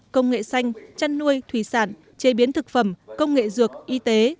công nghệ xanh chăn nuôi thủy sản chế biến thực phẩm công nghệ dược y tế